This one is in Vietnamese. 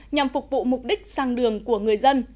nhằm phục vụ mục đích sang đường của người dân